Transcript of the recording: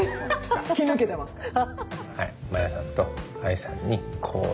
突き抜けてますから。